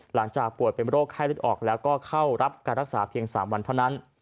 หลังจากป่วยเป็นโรคไข้เลือดออกแล้วก็เข้ารับการรักษาเพียง๓วันเท่านั้น